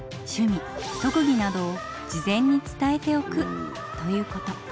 趣味特技などを事前に伝えておくということ。